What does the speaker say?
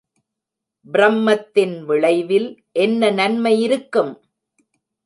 ப்ரமத்தின் விளைவில் என்ன நன்மை இருக்கும்?